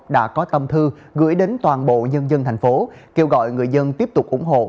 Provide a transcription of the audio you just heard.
đã có tâm thư gửi đến toàn bộ nhân dân thành phố kêu gọi người dân tiếp tục ủng hộ